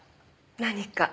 何か？